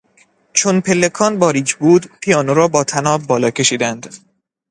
چون پلکان باریک بود پیانو را با طناب بالا کشیدند.